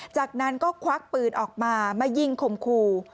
จากนั้นก็ควักปืนออกมามายิงคมคู่